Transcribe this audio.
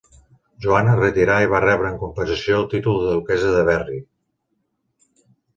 Joana es retirà i va rebre en compensació el títol de duquessa de Berry.